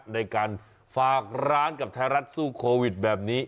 ในการฝากร้านกับไทยรัฐสู้โควิดแบบนี้